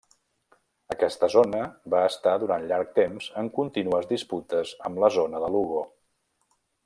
Aquesta zona va estar durant llarg temps en contínues disputes amb la zona de Lugo.